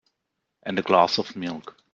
And a glass of milk.